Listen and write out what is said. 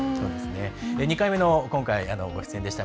２回目の今回、ご出演でした。